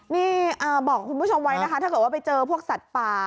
นี่บอกคุณผู้ชมไว้นะคะถ้าเกิดว่าไปเจอพวกสัตว์ป่า